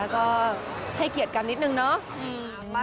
ก็ให้เกียรติกันนิดหนึ่งเนอะ